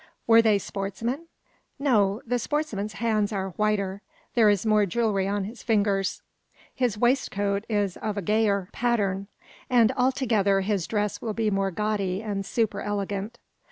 Were they sportsmen? No: the sportsman's hands are whiter; there is more jewellery on his fingers; his waistcoat is of a gayer pattern, and altogether his dress will be more gaudy and super elegant.